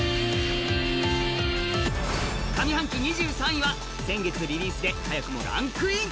２３位は先月リリースで早くもランクイン。